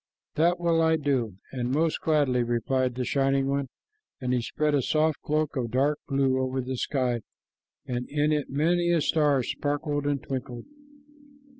"That will I do, and most gladly," replied the Shining One, and he spread a soft cloak of dark blue over the sky, and in it many a star sparkled and twinkled.